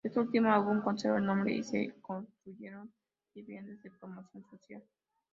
Esta última aún conserva el nombre y se construyeron viviendas de promoción social.